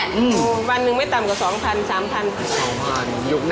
อืมวันนึงไม่ต่ำกว่า๒๐๐๐๓๐๐๐แบบ